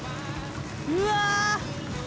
うわ！